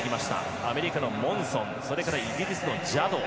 アメリカのモンソンそしてイギリスのジャド。